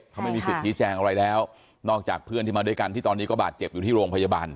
เขาไม่มีสิทธิแจงอะไรแล้วนอกจากเพื่อนที่มาด้วยกันที่ตอนนี้ก็บาดเจ็บอยู่ที่โรงพยาบาล